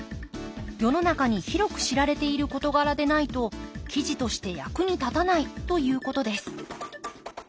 世の中に広く知られている事柄でないと記事として役に立たないということです。